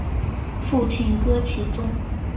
父亲戈启宗。